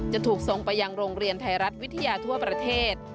จะถูกส่งไปยังโรงเรียนไทยรัฐวิทยาทั่วประเทศ